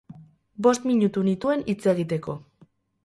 Bost minutu nituen hitz egiteko.